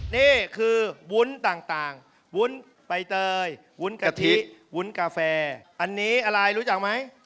นี่คือวุ้นต่างวุ้นใบเตยวุ้นกะทิวุ้นกาแฟอันนี้อะไรรู้จักไหม